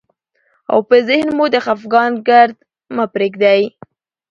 او په ذهن مو د خفګان ګرد مه پرېږدئ،